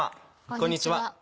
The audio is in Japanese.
こんにちは。